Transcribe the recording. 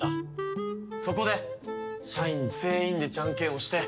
そこで社員全員でジャンケンをして。